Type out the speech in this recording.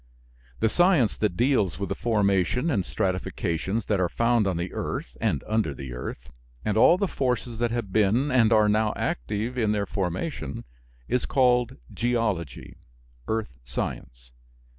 The science that deals with the formations and stratifications that are found on the earth and under the earth, and all the forces that have been and are now active in their formation, is called Geology (earth science).